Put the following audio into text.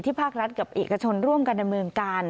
ภาครัฐกับเอกชนร่วมกันดำเนินการ